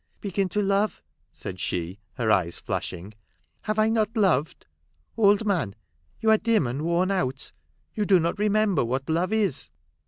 " Begin to love !" said she, her eyes flash ing. " Have I not loved ? Old man, you are dim and worn out. You do not remember what love is."